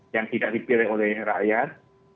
yang tidak dipilih oleh rakyat